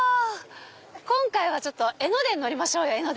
今回は江ノ電に乗りましょう。